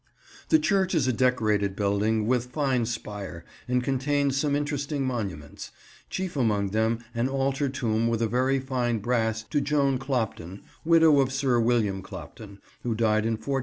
The church is a Decorated building, with fine spire, and contains some interesting monuments; chief among them an altar tomb with a very fine brass to Joan Clopton, widow of Sir William Clopton, who died in 1419.